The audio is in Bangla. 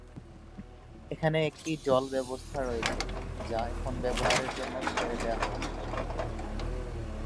এখানে একটি জল ব্যবস্থা রয়েছে যা এখন ব্যবহারের জন্য ছেড়ে দেওয়া হয়েছে।